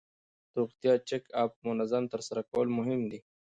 د روغتیا چک اپ منظم ترسره کول مهم دي.